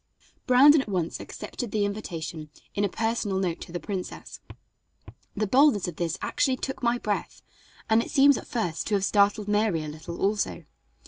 Brandon at once accepted the invitation in a personal note to the princess. The boldness of this actually took my breath, and it seems at first to have startled Mary a little, also.